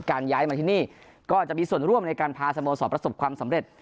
ย้ายมาที่นี่ก็จะมีส่วนร่วมในการพาสโมสรประสบความสำเร็จ